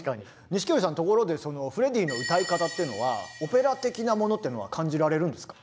錦織さんところでフレディの歌い方っていうのはオペラ的なものっていうのは感じられるんですか？